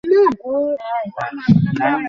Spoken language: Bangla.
তবে মিসির আলি তাকে বাঁচানোর চেষ্টা শুরু করেন।